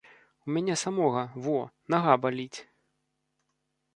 У мяне самога, во, нага баліць.